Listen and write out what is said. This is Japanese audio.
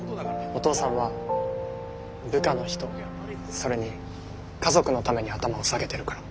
お父さんは部下の人それに家族のために頭を下げてるから。